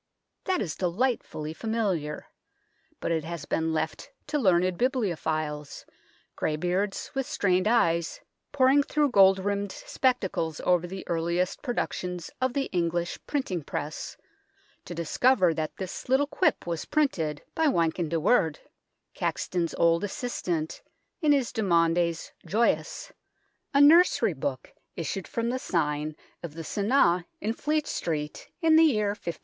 " That is delightfully familiar ; but it has been left to learned bibliophiles, greybeards with strained eyes poring through gold rimmed spectacles over the earliest productions of the English printing press, to discover that this little quip was printed by Wynkyn de Worde, Caxton's old assistant, in his Demaundes Joyous, a nursery book issued from the sign of the Sunne in Fleet Street in the year 1510.